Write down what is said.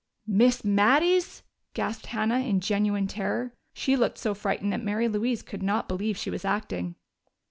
"Miss Mattie's?" gasped Hannah, in genuine terror. She looked so frightened that Mary Louise could not believe she was acting.